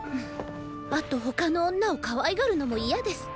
あと他の女を可愛がるのも嫌です。